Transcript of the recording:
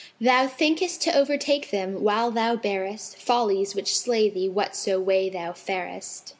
Thou thinkest to overtake them, while thou bearest Follies, which slay thee whatso way thou farest.